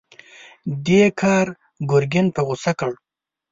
دې کار ګرګين په غوسه کړ.